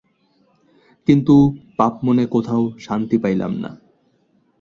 কিন্তু পাপমনে কোথাও শান্তি পাইলাম না।